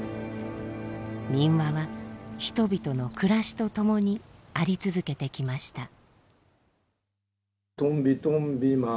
民話は人々の暮らしとともにあり続けてきました。